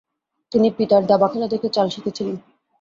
তিনি পিতার দাবা খেলা দেখে চাল শিখেছিলেন।